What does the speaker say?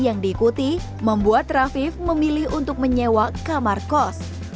yang diikuti membuat rafif memilih untuk menyewa kamar kos